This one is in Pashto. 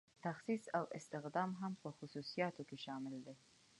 تخصیص او استخدام هم په خصوصیاتو کې شامل دي.